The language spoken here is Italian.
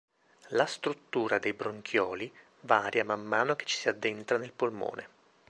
La struttura dei bronchioli varia man mano che ci si addentra nel polmone.